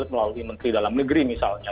melalui menteri dalam negeri misalnya